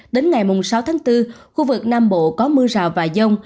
đến ngày sáu tháng bốn khu vực nam bộ có mưa rào và dông